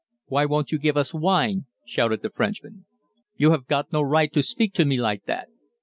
"Why won't you give us wine?" shouted the Frenchman. "You have got no right to speak to me like that."